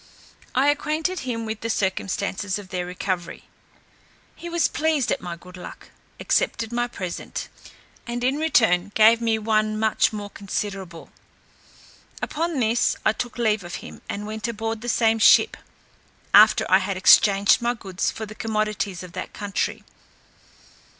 I acquainted him with the circumstance of their recovery. He was pleased at my good luck, accepted my present, and in return gave me one much more considerable. Upon this, I took leave of him, and went aboard the same ship, after I had exchanged my goods for the commodities of that country.